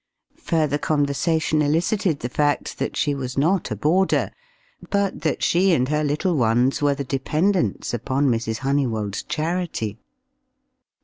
Further conversation elicited the fact that she was not a boarder, but that she and her little ones were the dependents upon Mrs. Honeywold's charity.